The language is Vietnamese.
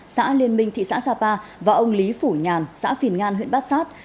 xã liên minh thị xã sapa và ông lý phủ nhàn xã phìn ngan huyện bát sát